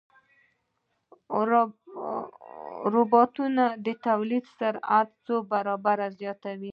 روبوټونه د تولید سرعت څو برابره زیاتوي.